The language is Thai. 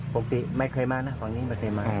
ปกติไม่เคยมานะตอนนี้ไม่เคยมา